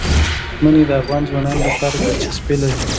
منی د افغان ځوانانو لپاره دلچسپي لري.